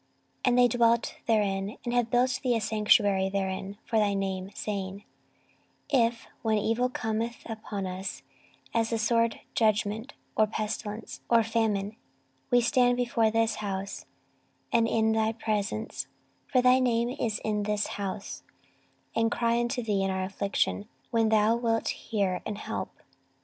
14:020:008 And they dwelt therein, and have built thee a sanctuary therein for thy name, saying, 14:020:009 If, when evil cometh upon us, as the sword, judgment, or pestilence, or famine, we stand before this house, and in thy presence, (for thy name is in this house,) and cry unto thee in our affliction, then thou wilt hear and help.